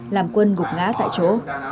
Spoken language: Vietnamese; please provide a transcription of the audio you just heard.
làm quân gục ngá tại chỗ